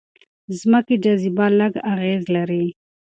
ځمکې جاذبه لږ اغېز لري.